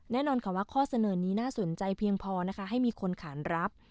แน่นอนค่ะว่าข้อเสนอนี้น่าสนใจเพียงพอนะคะให้มีคนขานรับ